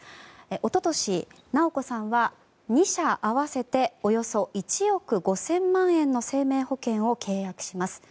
一昨年、直子さんは２社合わせておよそ１億５０００万円の生命保険を契約します。